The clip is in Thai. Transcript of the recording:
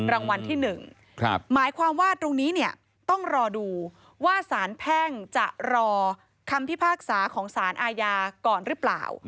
รางวัลที่๑หมายความว่าตรงนี้เนี่ยต้องรอดูว่าสารแพ่งจะรอคำพิพากษาของสารอาญาก่อนหรือเปล่า